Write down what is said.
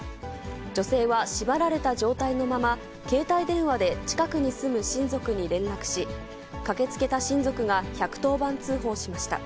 女性は縛られた状態のまま、携帯電話で近くに住む親族に連絡し、駆けつけた親族が１１０番通報しました。